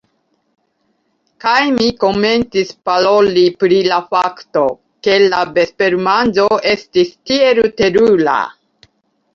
Kaj mi komencis paroli pri la fakto, ke la vespermanĝo estis tiel terura.